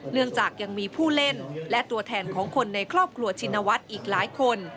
เนื่องจากยังมีผู้เล่นและตัวแทนของคนในครอบครัวชินวัฒน์อีกหลายคน